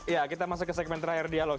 ya kita masuk ke segmen terakhir dialog